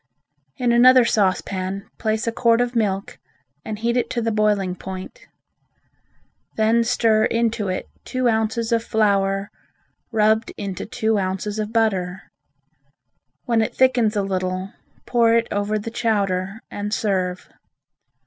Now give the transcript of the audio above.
In another saucepan place a quart of milk and heat it to the boiling point. Then stir into it two ounces of flour rubbed into two ounces of butter. When it thickens a little, pour it over the chowder and serve.